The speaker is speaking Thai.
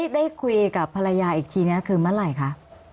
ได้คุยกับภรรยาอีกทีนี้คือเมื่อไหร่คะ